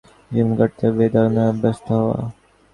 তাঁদের বড় দুঃখ হল-সন্তানহীন জীবন কাটাতে হবে এই ধারণায় অভ্যস্ত হওয়া।